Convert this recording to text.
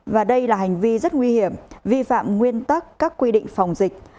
và đây là hành vi rất nguy hiểm vi phạm nguyên tắc các quy định phòng dịch